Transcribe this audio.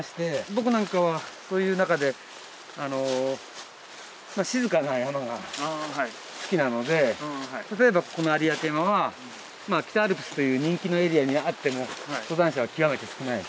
僕なんかはそういう中であの静かな山が好きなので例えばここの有明山は北アルプスという人気のエリアにあっても登山者は極めて少ない。